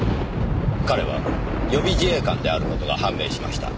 彼は予備自衛官である事が判明しました。